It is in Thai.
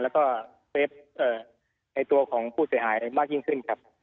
แล้วก็เฟสในตัวของผู้เสียหายมากยิ่งขึ้นครับ